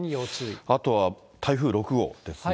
あとは台風６号ですね。